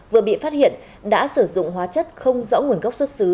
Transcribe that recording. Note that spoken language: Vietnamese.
vừa bị phát hiện đã sử dụng hóa chất không rõ nguồn gốc xuất xứ